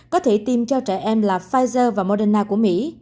có thể tiêm cho trẻ em là pfizer và moderna của mỹ